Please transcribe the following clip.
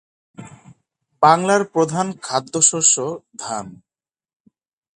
বাংলার প্রধান খাদ্যশস্য ধান।